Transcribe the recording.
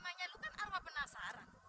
emangnya lu kan alam penasaran